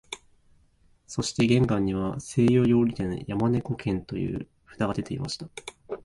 そして玄関には西洋料理店、山猫軒という札がでていました